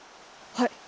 はい。